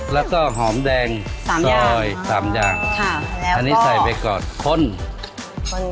แล้วก็หอมแดงสามซอยสามอย่างค่ะอันนี้ใส่ไปก่อนข้น